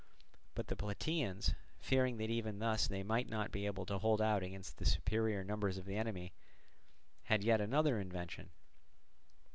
But the Plataeans, fearing that even thus they might not be able to hold out against the superior numbers of the enemy, had yet another invention.